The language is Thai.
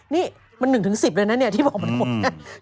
นี่มัน๑๑๐เลยนะเนี่ยที่บอกมันหมด